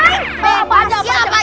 eh apa aja